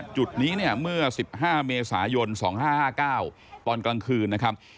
จุดนี้เนี่ยเมื่อ๑๕เมษายน๒๕๕๙ตอนกลางคืนนะครับ